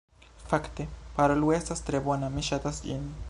Fakte, Parolu estas tre bona, mi ŝatas ĝin